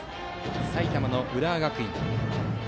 埼玉の浦和学院。